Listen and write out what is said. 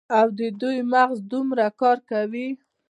او د دوي مغـز دومـره کـار کـوي.